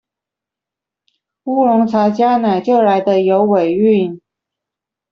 烏龍茶加奶就來得有尾韻